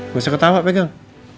bisa ketawa pegang